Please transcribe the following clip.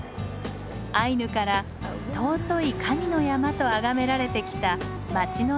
アイヌから「尊い神の山」とあがめられてきた街のシンボルです。